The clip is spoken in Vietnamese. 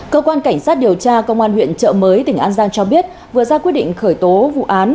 cơ quan cảnh sát điều tra công an huyện trợ mới tỉnh an giang cho biết vừa ra quyết định khởi tố vụ án